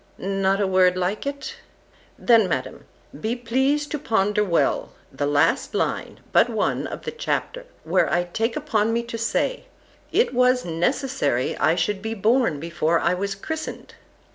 —Not a word like it! Then, Madam, be pleased to ponder well the last line but one of the chapter, where I take upon me to say, "It was necessary I should be born before I was christen'd."